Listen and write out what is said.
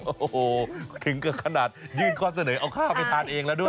โอ้โหถึงกับขนาดยื่นข้อเสนอเอาข้าวไปทานเองแล้วด้วย